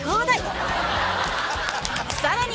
さらに！